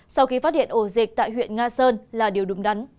sau khi phát hiện ổ dịch tại huyện nga sơn là điều đúng đắn